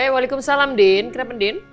waalaikumsalam din kenapa din